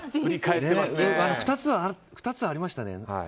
２つはありましたね。